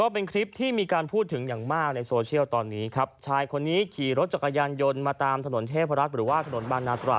เป็นเส้นของมอเตอร์สายจริงนะเมื่อทีเดียวฉันนอนก็นอนไม่หลับนะฮะ